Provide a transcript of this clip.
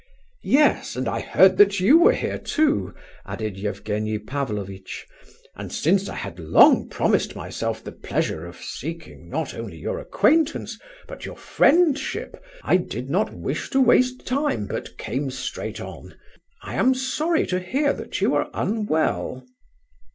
"Yes, and I heard that you were here, too," added Evgenie Pavlovitch; "and since I had long promised myself the pleasure of seeking not only your acquaintance but your friendship, I did not wish to waste time, but came straight on. I am sorry to hear that you are unwell."